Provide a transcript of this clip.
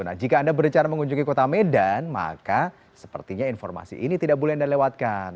nah jika anda bercara mengunjungi kota medan maka sepertinya informasi ini tidak boleh anda lewatkan